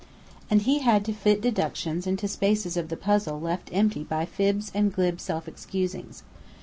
And he had to fit deductions into spaces of the puzzle left empty by fibs and glib self excusings.